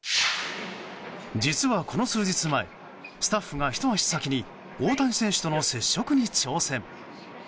実は、この数日前スタッフがひと足先に大谷選手との接触に挑戦。